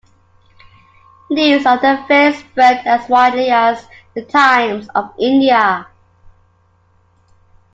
News of the affair spread as widely as "The Times of India".